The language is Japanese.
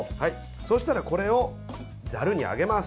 そしたら、これをざるに上げます。